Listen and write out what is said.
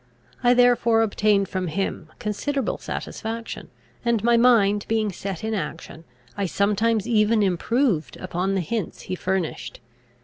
I therefore obtained from him considerable satisfaction; and, my mind being set in action, I sometimes even improved upon the hints he furnished.